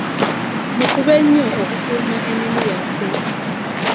Mufube nnyo okukuuma ennono yaffe.